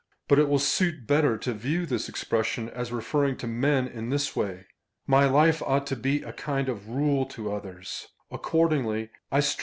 But it will suit better to view this expression as referring to men, in this way —" My life ought to be a kind of rule to others.